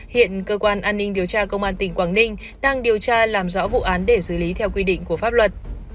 hiện cơ quan an ninh điều tra công an tỉnh quảng ninh đang điều tra làm rõ vụ án để xử lý theo quy định của pháp luật